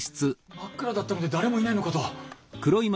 真っ暗だったので誰もいないのかと。